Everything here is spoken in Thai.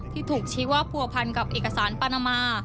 ที่ถูกชี้ว่าผัวพันกับเอกสารปานามา